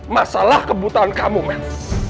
masalah kebutuhan kamu men